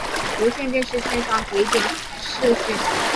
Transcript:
无线电视线上随点视讯